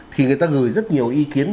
thì người ta gửi rất nhiều ý kiến